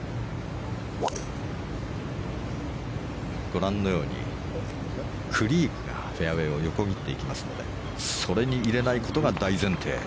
ご覧のようにクリークがフェアウェーを横切っていきますのでそれに入れないことが大前提。